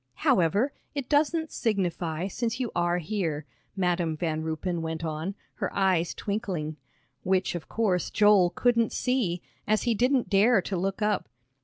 "However, it doesn't signify, since you are here," Madam Van Ruypen went on, her eyes twinkling, which, of course, Joel couldn't see, as he didn't dare to look up.